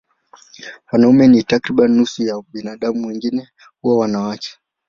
Wanaume ni takriban nusu ya binadamu, wengine huwa wanawake.